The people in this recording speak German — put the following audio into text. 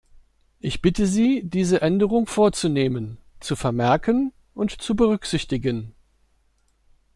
Ich bitte sie, diese Änderung vorzunehmen, zu vermerken und zu berücksichtigen.